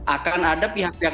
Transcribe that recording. akan ada pihak pihak